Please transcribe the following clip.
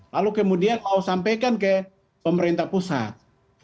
lalu kemudian mau sampaikan ke pemerintah pusat